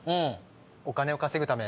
お金を稼ぐため。